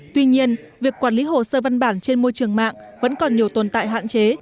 tuy nhiên việc quản lý hồ sơ văn bản trên môi trường mạng vẫn còn nhiều tồn tại hạn chế